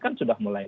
kan sudah mulai